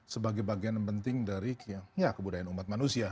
sebagai bagian penting dari kebudayaan umat manusia